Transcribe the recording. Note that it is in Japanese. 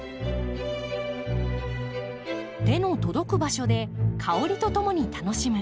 手の届く場所で香りとともに楽しむ。